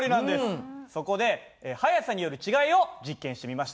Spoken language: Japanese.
そこで速さによる違いを実験してみました。